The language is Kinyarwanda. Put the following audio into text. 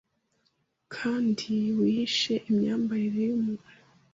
Kandi Wihishe imyambarire yumuntu